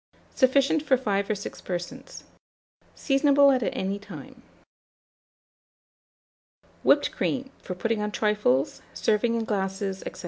Sufficient for 5 or 6 persons. Seasonable at any time. WHIPPED CREAM, for putting on Trifles, serving in Glasses, &c.